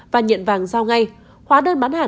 và nhận vàng giao ngay khóa đơn bán hàng